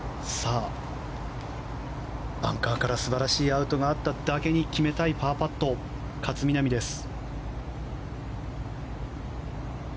バンカーから素晴らしいアウトがあっただけに決めたいパーパット勝みなみです。